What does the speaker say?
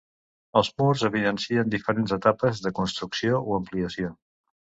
Els murs evidencien diferents etapes de construcció o ampliació.